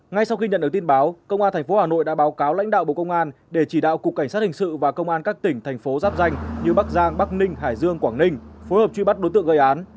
ngay sau khi nhận được tin báo công an tp hà nội đã báo cáo lãnh đạo bộ công an để chỉ đạo cục cảnh sát hình sự và công an các tỉnh thành phố giáp danh như bắc giang bắc ninh hải dương quảng ninh phối hợp truy bắt đối tượng gây án